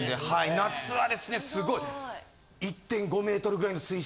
夏はですねすごい。